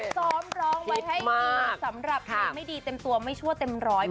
ซ้อมร้องไว้ให้ดีสำหรับเพลงไม่ดีเต็มตัวไม่ชั่วเต็มร้อย